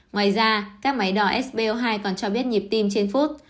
ngoài ra các máy đỏ spo hai còn cho biết nhịp tim trên phút